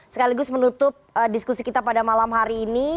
sekaligus menutup diskusi kita pada malam hari ini